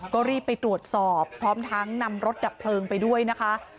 ก็รีบไปตรวจสอบพร้อมทั้งนำรถดับเพลิงไปด้วยนะคะ